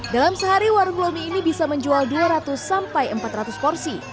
dalam sehari warung lomi ini bisa menjual dua ratus sampai empat ratus porsi